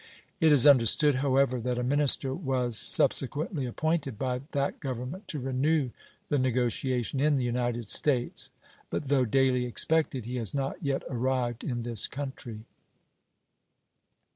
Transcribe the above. It is understood, however, that a minister was subsequently appointed by that Government to renew the negotiation in the United States, but though daily expected he has not yet arrived in this country.